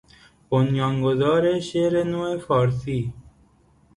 بنیانگذار شعر نو فارسی